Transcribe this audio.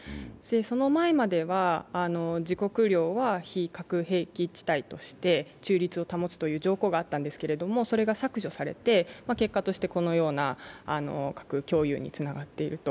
その前までは自国領は非核兵器地帯として中立を保つという条項があったんですけれども、結果としてこのような核共有につながっていると。